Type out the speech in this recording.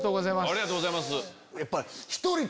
ありがとうございます。